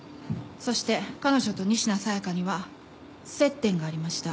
そして彼女と仁科紗耶香には接点がありました。